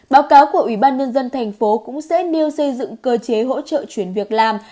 báo cáo của ủy ban nhân dân thành phố cũng sẽ nêu xây dựng cơ chế hỗ trợ chuyển việc làm